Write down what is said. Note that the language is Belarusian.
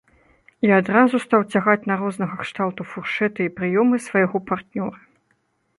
І адразу стаў цягаць на рознага кшталту фуршэты і прыёмы свайго партнёра.